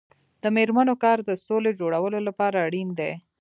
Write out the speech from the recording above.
د میرمنو کار د سولې جوړولو لپاره اړین دی.